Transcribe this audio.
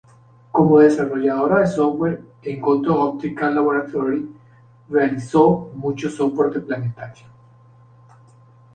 Como desarrolladora de software en Goto Optical Laboratory, realizó mucho software de planetario.